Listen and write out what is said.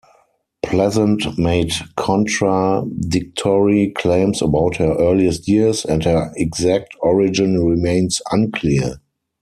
Pleasant made contradictory claims about her earliest years, and her exact origin remains unclear.